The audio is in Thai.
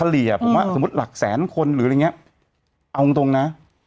เฉลี่ยผมเอาสมมุติหลักแสนคนหรือเงี้ยเอาอย่างตรงนะ